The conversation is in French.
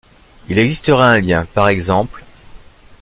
Il existerait un lien, p. ex.